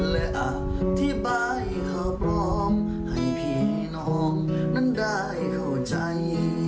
และอธิบายข่าวปลอมให้พี่น้องนั้นได้เข้าใจ